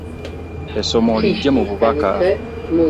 Essomo liggye mu bubaka.